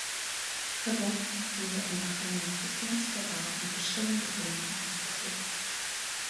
Gebruik die gegewe inligting om 'n frekwensietabel van die verskillende dromme afval te teken.